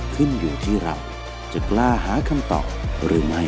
ขึ้นอยู่ที่เราจะกล้าหาคำตอบหรือไม่